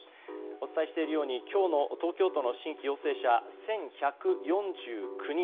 お伝えしていますように今日の東京都の新規陽性者１１４９人。